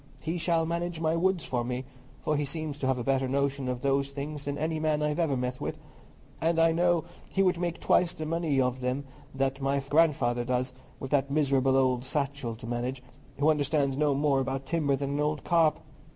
He shall manage my woods for me, for he seems to have a better notion of those things than any man I ever met with; and I know he would make twice the money of them that my grandfather does, with that miserable old Satchell to manage, who understands no more about timber than an old carp.